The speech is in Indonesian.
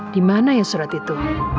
dimana ya surat itu